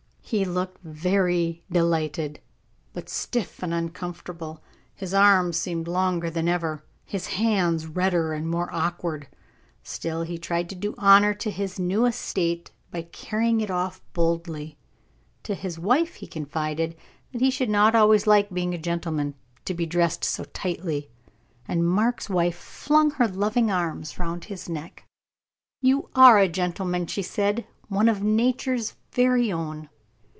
He looked very delighted, but stiff and uncomfortable; his arms seemed longer than ever, his hands redder and more awkward; still he tried to do honor to his new estate by carrying it off boldly. To his wife he confided that he should not always like being a gentleman, to be dressed so tightly; and Mark's wife flung her loving arms round his neck. "You are a gentleman," she said; "one of nature's very own."